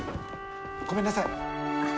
ごめんなさい。